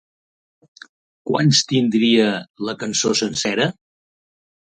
Quants tindria la cançó sencera?